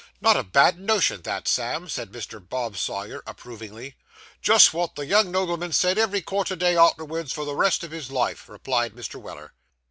Not a bad notion that, Sam,' said Mr. Bob Sawyer approvingly. 'Just wot the young nobleman said ev'ry quarter day arterwards for the rest of his life,' replied Mr. Weller.